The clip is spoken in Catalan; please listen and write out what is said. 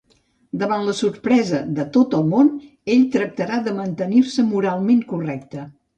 Davant la sorpresa de tot el món, ell tractarà de mantenir-se moralment correcte.